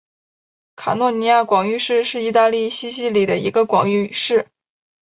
卡塔尼亚广域市是意大利西西里的一个广域市。